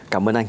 cảm ơn anh